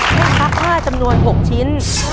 เพื่อพักผ้าจำนวน๖ชิ้น